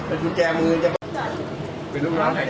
อันนี้มันจะเจ็บไง